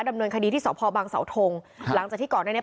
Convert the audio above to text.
ดำเนินคดีที่สพบังเสาทงหลังจากที่ก่อนหน้านี้